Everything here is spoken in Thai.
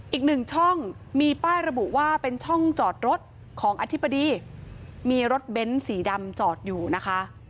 อีกหนึ่งช่องมีป้ายระบุว่าเป็นช่องจอดรถของอธิบดีมีรถเบ้นสีดำจอดอยู่นะคะ